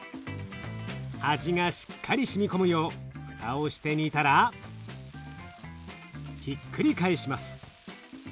味がしっかりしみ込むよう蓋をして煮たらひっくり返します。